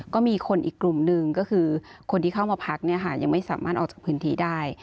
ก็มีคนอีกกลุ่มหนึ่งก็คือคนที่เข้ามาพักเนี่ยค่ะยังไม่สามารถออกจากพื้นที่ได้